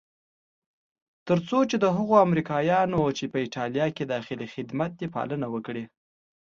تر څو د هغو امریکایانو چې په ایټالیا کې داخل خدمت دي پالنه وکړي.